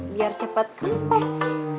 biar cepat kempes